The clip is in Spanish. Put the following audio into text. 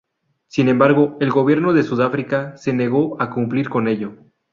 Sin embargo el gobierno de Sudáfrica se negó a cumplir con ello.